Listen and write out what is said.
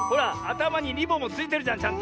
たまにリボンもついてるじゃんちゃんと。